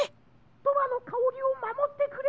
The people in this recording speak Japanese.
・「とわのかおり」をまもってくれ！